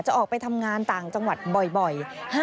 ออกไปทำงานต่างจังหวัดบ่อย